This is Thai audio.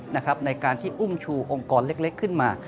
ในการที่อุ้มชูองค์กรเล็กขึ้นมา